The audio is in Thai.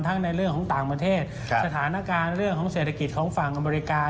ในเรื่องของต่างประเทศสถานการณ์เรื่องของเศรษฐกิจของฝั่งอเมริกา